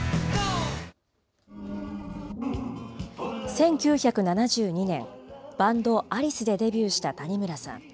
１９７２年、バンド、アリスでデビューした谷村さん。